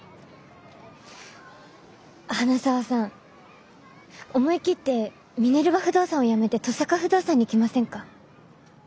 花澤さん思い切ってミネルヴァ不動産をやめて登坂不動産に来ませんか？